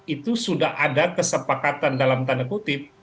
itu sudah ada kesepakatan dalam tanda kutip